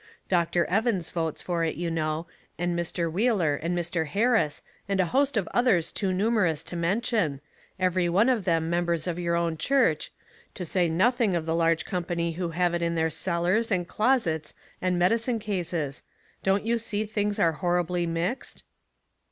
Dr. Evans votes for it, you know, and Mr. Wheeler, and Mr. Harris, and a host of others too numerous to mention — every one of them members of your own church to say noth ing of the large company who have it in their cel lars, and closets, and medicine cases. Don't you see things are horribly mixed